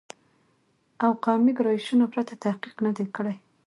او قومي ګرایشونو پرته تحقیق نه دی کړی